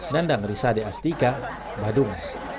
dandang risa deastika badung